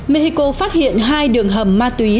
mexico phát hiện hai đường hầm ma túy